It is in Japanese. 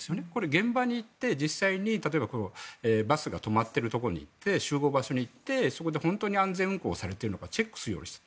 現場に行って実際に例えば、バスが止まっているところに行って集合場所に行って、そこで本当に安全運行されているのかチェックするようにした。